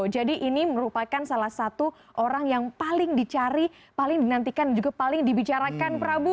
jadi ini merupakan salah satu orang yang paling dicari paling dinantikan juga paling dibicarakan prabu